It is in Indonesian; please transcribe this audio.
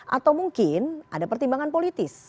atau mungkin ada pertimbangan politis